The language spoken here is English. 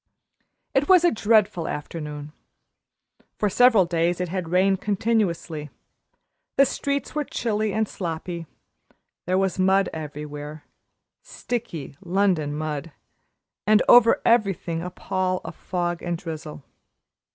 It was a dreadful afternoon. For several days it had rained continuously, the streets were chilly and sloppy; there was mud everywhere sticky London mud and over everything a pall of fog and drizzle.